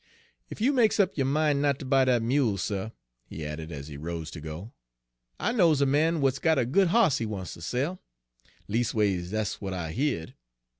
"Ef you makes up yo' min' not ter buy dat mule, suh," he added, as he rose to go, "I knows a man w'at's got a good hoss he wants ter sell, leas'ways dat's w'at I heared.